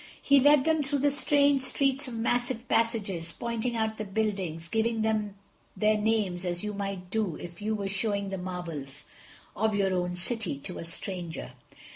He led them through the strange streets of massive passages, pointing out the buildings, giving them their names as you might do if you were showing the marvels of your own city to a stranger.